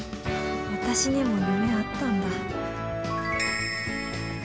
私にも夢あったんだ。